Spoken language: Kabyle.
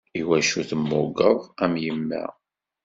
Iwacu temmugeḍ am yemma?